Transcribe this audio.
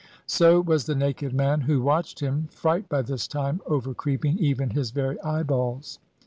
So was the naked man who watched him, fright by this time over creeping even his very eyeballs.